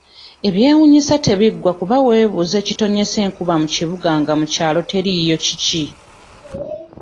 Ebyewuunyisa tebiggwa kuba weebuuza ekitonnyesa enkuba mu kibuga nga mu kyalo teriiyo kiki?